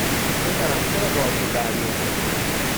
پسرم چرا باهاشون درمی افتی